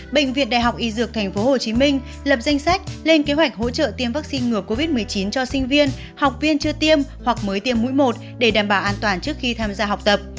bệnh viện đại học y dược tp hcm lập danh sách lên kế hoạch hỗ trợ tiêm vaccine ngừa covid một mươi chín cho sinh viên học viên chưa tiêm hoặc mới tiêm mũi một để đảm bảo an toàn trước khi tham gia học tập